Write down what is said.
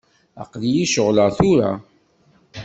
Aql-iyi ceɣleɣ tura.